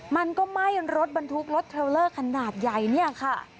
มันก็ไหม้รถบรรทุกรถเทลเลอร์ขนาดใหญ่เนี่ยค่ะ